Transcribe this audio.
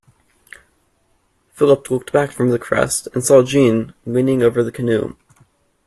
Philip looked back from the crest and saw Jeanne leaning over the canoe.